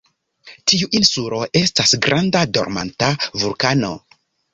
Tiu insulo estas granda dormanta vulkano.